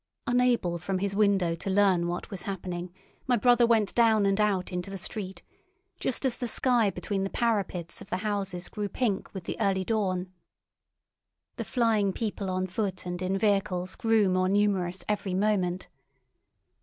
Unable from his window to learn what was happening, my brother went down and out into the street, just as the sky between the parapets of the houses grew pink with the early dawn. The flying people on foot and in vehicles grew more numerous every moment.